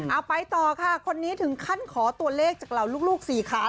เอาไปต่อค่ะคนนี้ถึงขั้นขอตัวเลขจากเราลูก๔ขาแล้วนะ